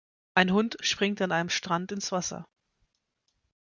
Ein Hund springt an einem Strand ins Wasser.